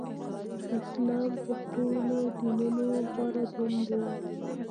اسلام تر ټولو دینونو غوره دین دی.